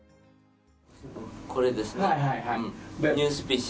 これですね。